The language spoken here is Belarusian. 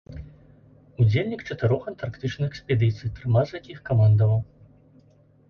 Удзельнік чатырох антарктычных экспедыцый, трыма з якіх камандаваў.